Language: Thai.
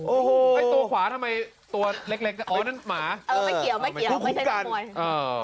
โอ้โหตัวขวาทำไมตัวเล็กอ้อนั่นหมาไม่เกี่ยวไม่ใช่น้ำมวย